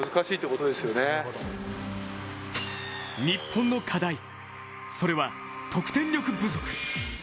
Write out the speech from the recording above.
日本の課題、それは得点力不足。